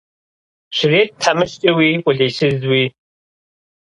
Щрет тхьэмыщкӏэуи, къулейсызууи.